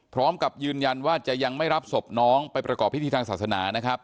พร้อมกับยืนยันว่าจะยังไม่รับศพน้องไปประกอบพิธีทางศาสนานะครับ